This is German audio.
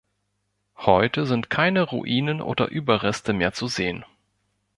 Heute sind keine Ruinen oder Überreste mehr zu sehen.